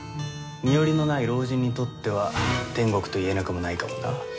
身寄りのない老人にとっては天国といえなくもないかもな。